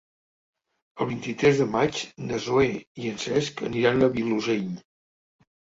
El vint-i-tres de maig na Zoè i en Cesc aniran al Vilosell.